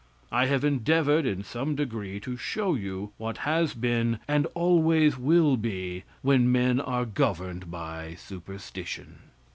I have endeavored in some degree to show you what has been and always will be when men are governed by superstition.